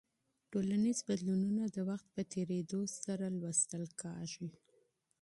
ټولنیز بدلونونه د وخت په تېرېدو سره مطالعه کیږي.